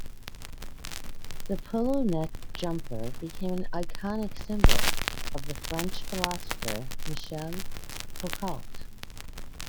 The polo neck jumper became an iconic symbol of the French philosopher Michel Foucault.